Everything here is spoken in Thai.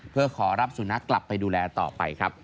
เพื่อขอรับสุนัขกลับไปดูแลต่อไปครับ